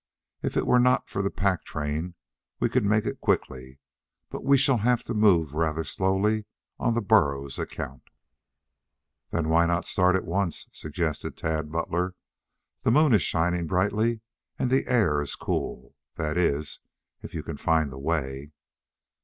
If it were not for the pack train we could make it quickly, but we shall have to move rather slowly on the burros' account." "Then why not start at once?" suggested Tad Butler. "The moon is shining brightly and the air is cool. That is, if you can find the way?"